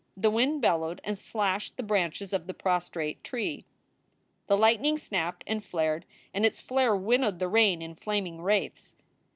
The wind bellowed and slashed the branches of the pros trate tree. The lightning snapped and flared and its flare winnowed the rain in flaming wraiths.